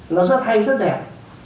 nó rất hay rất đẹp